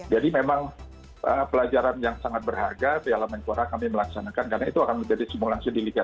jadi memang pelajaran yang sangat berharga piala menpora kami melaksanakan karena itu akan menjadi simulasi di liga satu